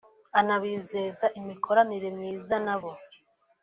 anabizeza imikoranire myiza nabo